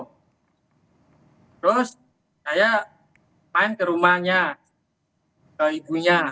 terus saya main ke rumahnya ke ibunya